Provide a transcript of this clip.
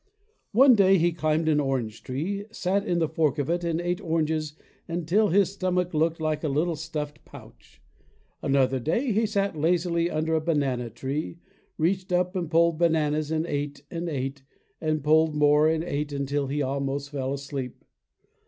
One day he climbed an orange tree, sat in the fork of it and ate oranges until his stomach looked like a little stuffed pouch. Another day he sat 182 ] UNSUNG HEROES lazily under a banana tree, reached up and pulled bananas and ate and ate, and pulled more and ate until he almost fell asleep.